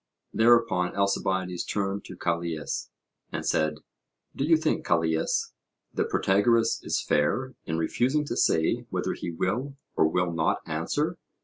Thereupon Alcibiades turned to Callias, and said: Do you think, Callias, that Protagoras is fair in refusing to say whether he will or will not answer?